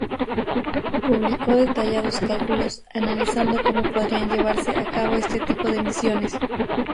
Publicó detallados cálculos analizando cómo podrían llevarse a cabo este tipo de misiones.